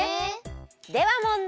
では問題！